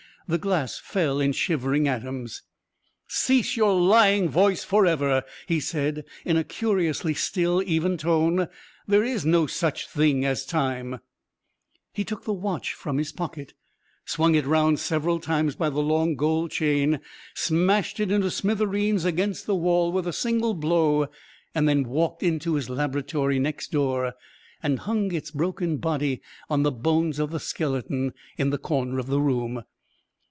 The glass fell in shivering atoms. "Cease your lying voice for ever," he said, in a curiously still, even tone. "There is no such thing as time!" He took the watch from his pocket, swung it round several times by the long gold chain, smashed it into smithereens against the wall with a single blow, and then walked into his laboratory next door, and hung its broken body on the bones of the skeleton in the corner of the room.